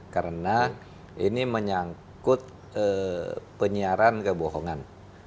karena ini menyangkut penyiaran kebohongan